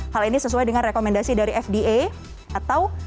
hal ini sesuai dengan rekomendasi dari fda atau